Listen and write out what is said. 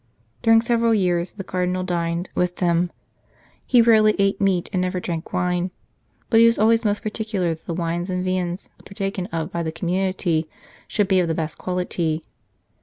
During several years the Cardinal dined with them ; he rarely ate meat, and never drank wine, but he was always most particular that the wines and viands partaken of by the community should be of the best quality.